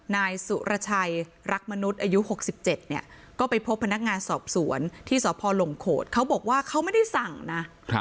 นายสุรชัยรักมนุษย์อายุ๖๗เนี่ยก็ไปพบพนักงานสอบสวนที่สพหลมโขดเขาบอกว่าเขาไม่ได้สั่งนะ